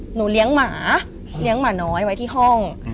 เลี้ยงหมาเลี้ยงหมาน้อยไว้ที่ห้อง